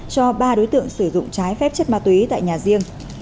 cho ba đối tượng sử dụng trái phép chất ma túy tại nhà riêng